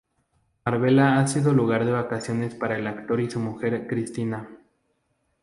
Marbella ha sido lugar de vacaciones para el actor y su mujer Christina.